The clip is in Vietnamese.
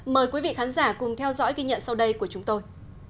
mời quý vị khán giả cùng theo dõi ghi nhận sau đây của chúng tôi